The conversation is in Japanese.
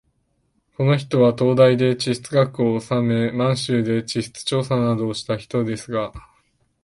この人は東大で地質学をおさめ、満州で地質調査などをした人ですが、